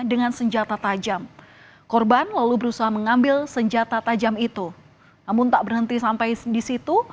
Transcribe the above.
dengan senjata tajam korban lalu berusaha mengambil senjata tajam itu namun tak berhenti sampai di situ